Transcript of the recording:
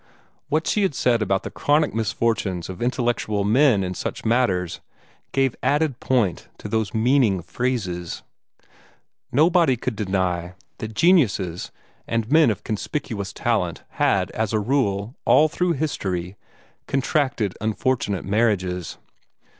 What she had said about the chronic misfortunes of intellectual men in such matters gave added point to those meaning phrases. Nobody could deny that geniuses and men of conspicuous talent had as a rule, all through history, contracted unfortunate marriages.